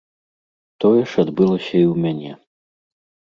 Тое ж адбылася і ў мяне.